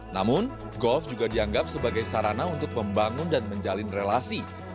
namun golf juga dianggap sebagai sarana untuk membangun dan menjalin relasi